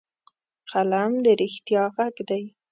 قلم د رښتیا غږ دی